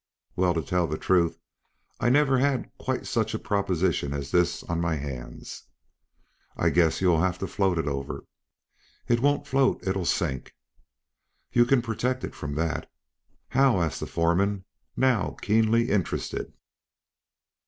"Well, to tell the truth, I've never had quite such a proposition as this on my hands." "I guess you will have to float it over." "It won't float. It'll sink." "You can protect it from that." "How?" asked the foreman, now keenly interested.